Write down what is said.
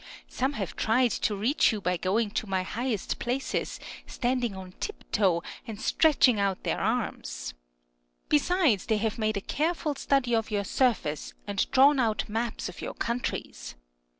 Some have tried to reach you by going to my highest places, standing on tiptoe, and stretching out their arms. Besides, they have made a careful study of your surface, and drawn out maps of your countries.